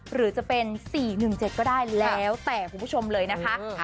หรือจะเป็น๔๑๗ก็ได้แล้วแต่คุณผู้ชมเลยนะคะ